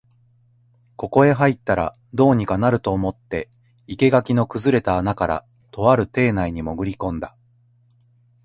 ここへ入ったら、どうにかなると思って竹垣の崩れた穴から、とある邸内にもぐり込んだ